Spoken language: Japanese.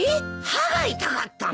歯が痛かったの？